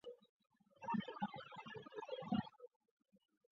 仁寿三年。